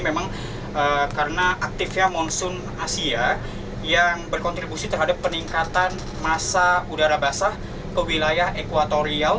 memang karena aktifnya monsoon asia yang berkontribusi terhadap peningkatan masa udara basah ke wilayah ekwatorial